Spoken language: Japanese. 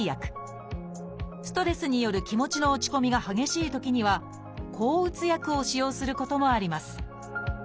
ストレスによる気持ちの落ち込みが激しいときには抗うつ薬を使用することもあります